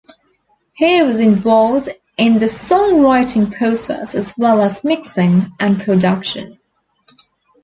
He was involved in the songwriting process as well as mixing and production.